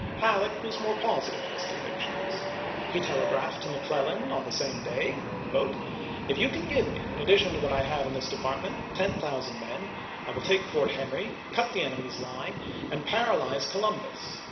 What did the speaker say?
Halleck was more positive in his convictions. FOET DONELSON 189 He telegraphed to McClellan on the same day :" If chap. xi. you can give me, in addition to what I have in this department, ten thousand men, I will take Fort Henry, cut the enemy's line, and paralyze Colum bus.